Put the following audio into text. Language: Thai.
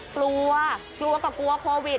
กลัวกลัวกับกลัวโควิด